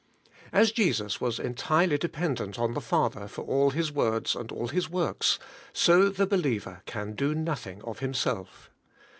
As Jesus was entirely dependent on the Father for all His words and all His works, so the believer can do nothing of himself.